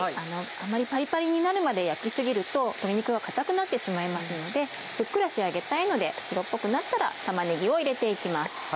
あまりパリパリになるまで焼き過ぎると鶏肉が硬くなってしまいますのでふっくら仕上げたいので白っぽくなったら玉ねぎを入れて行きます。